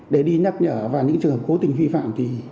để đi nhắc nhở vào những trường hợp cố tình vi phạm